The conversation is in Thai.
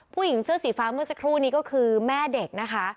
ผู้หญิงเสื้อสีฟ้าเมื่อสักครู่นี้ก็คือแม่เด็กนะคะ